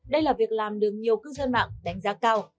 đây là việc làm được nhiều cư dân mạng đánh giá cao